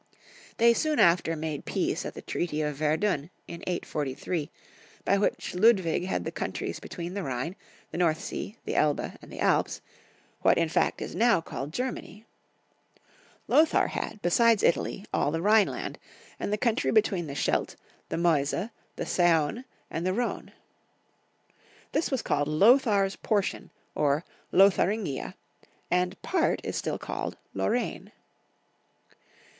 They soon after made peace at the treaty of Verdun, in 843, by which Ludwig had the countries between the Rhine, the North Sea, the Elbe, and the Alps — what in fact is now called Germany. Lothar had, besides Italy, all the Rhineland, and the country between the Scheldt, the Meuse, the Saone, and the Rhone. This was called Lothar's portion, or Lotharingia, and part is still called Lorraine.